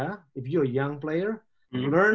kalau kamu pemain muda belajar dari